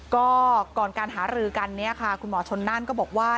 ก็ก่อนการหาหลือกันคุณหมอชนนั่นก็บอกว่า